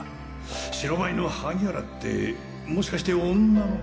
白バイの萩原ってもしかして女の。